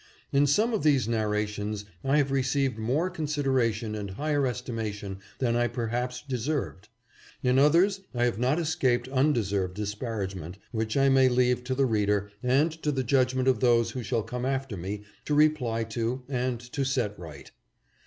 In some of these narrations I have received more con sideration and higher estimation than I perhaps deserved. In others I have not escaped undeserved disparagement, which I may leave to the reader and to the judgment of those who shall come after me to reply to and to set right.